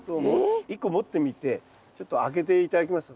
１個持ってみてちょっと開けて頂けます？